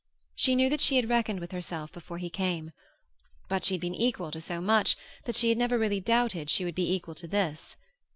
She knew that she had reckoned with herself before he came; but she had been equal to so much that she had never really doubted she would be equal to this.